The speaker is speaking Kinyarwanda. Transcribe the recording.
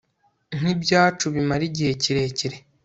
Nkibyacu bimara igihe kirekire